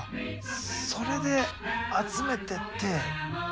それで集めてって。